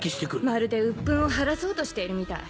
まるで鬱憤を晴らそうとしているみたい。